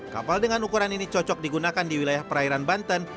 kapal dengan ukuran ini cocok digunakan di wilayah perairan banten